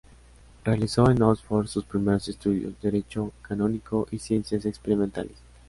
Realizó en Oxford sus primeros estudios, derecho canónico y ciencias experimentales.